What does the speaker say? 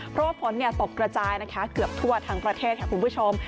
เพราะว่าฝนตกกระจายนะคะเกือบทั่วทั้งประเทศค่ะคุณผู้ชม